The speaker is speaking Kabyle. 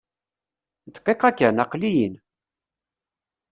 Dqiqa kan! Aqli-yin!